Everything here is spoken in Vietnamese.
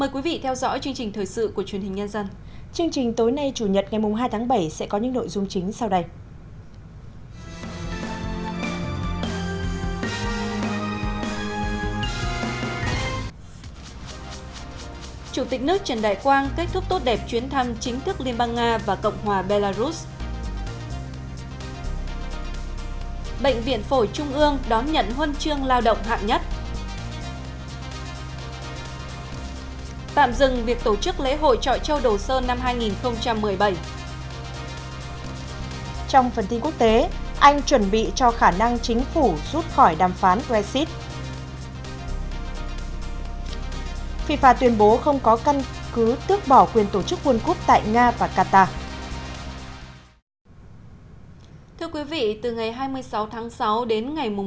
chương trình tối nay chủ nhật ngày hai tháng bảy sẽ có những nội dung chính sau đây